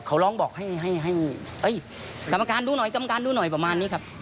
เขาร้องบอกให้กรรมการดูหน่อยประมาณนี้ครับ